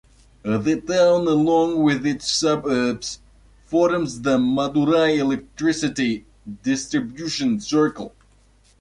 The town along with its suburbs forms the Madurai Electricity Distribution Circle.